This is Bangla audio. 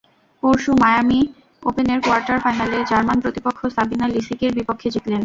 পরশু মায়ামি ওপেনের কোয়ার্টার ফাইনালে জার্মান প্রতিপক্ষ সাবিনা লিসিকির বিপক্ষে জিতলেন।